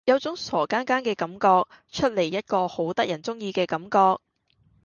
有種傻更更嘅感覺，出嚟一個好得人中意嘅感覺